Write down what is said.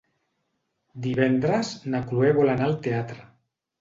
Divendres na Cloè vol anar al teatre.